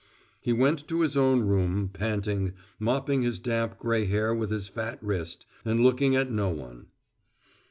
He went to his own room, panting, mopping his damp gray hair with his fat wrist, and looking at no one.